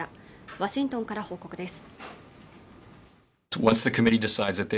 ワシントンから報告です